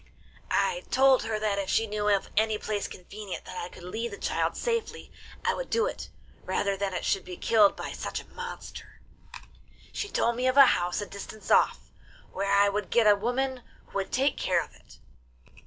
'I told her that if she knew of any place convenient that I could leave the child safely I would do it, rather than it should be killed by such a monster. 'She told me of a house a distance off where I would get a woman who would take care of it.